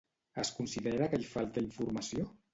Es considera que hi falta informació?